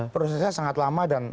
prosesnya sangat lama dan